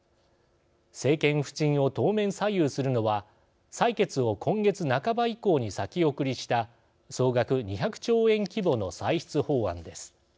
政権浮沈を当面左右するのは採決を今月半ば以降に先送りした総額２００兆円規模の歳出法案です。